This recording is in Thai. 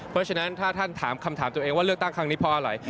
เพราะฉะนั้นถ้าท่านถามคำถามตัวเองว่าเลือกตั้งครั้งนี้เพราะอะไร